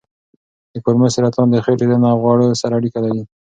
د کولمو سرطان د خېټې دننه غوړو سره اړیکه لري.